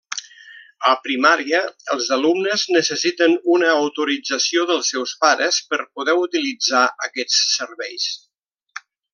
A primària els alumnes necessiten una autorització dels seus pares per poder utilitzar aquests serveis.